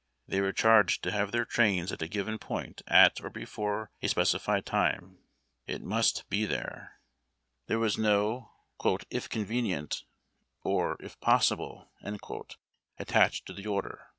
They were charged to have their trains at a given point at or before a speci fied time. It vnii<t be there. There was no "if convenient" or "• if possible " attached to the order.